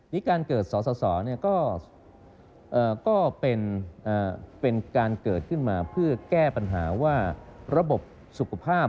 นี่การเกิดสสก็เป็นการเกิดขึ้นมาเพื่อแก้ปัญหาว่าระบบสุขภาพ